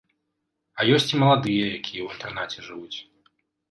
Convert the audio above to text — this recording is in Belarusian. А ёсць і маладыя, якія ў інтэрнаце жывуць.